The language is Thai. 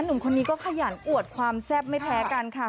หนุ่มคนนี้ก็ขยันอวดความแซ่บไม่แพ้กันค่ะ